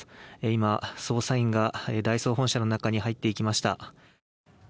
今、捜査員が大創本社の中に入っていきました。